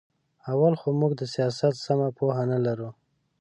اول خو موږ د سیاست سمه پوهه نه لرو.